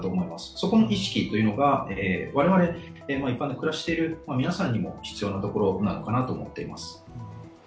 そこの意識が我々、一般の暮らしている皆さんにも必要なところなのかなと思っています。